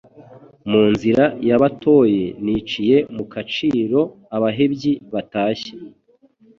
Mu nzira y'Abatoyi niciye mu kaciro abahebyi batashye